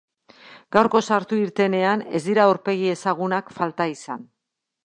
Gaurko sartu-irtenean ez dira aurpegi ezagunak falta izan.